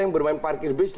yang bermain parkir base